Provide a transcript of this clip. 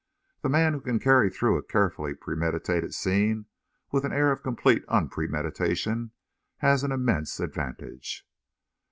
The man who can carry through a carefully premeditated scene with an air of complete unpremeditation has an immense advantage.